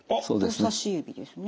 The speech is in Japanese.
人さし指ですね。